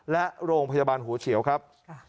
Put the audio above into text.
และโรงพยาบาลหัวเฉียวครับ